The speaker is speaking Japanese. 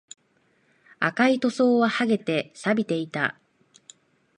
赤い塗装は剥げて、錆びていた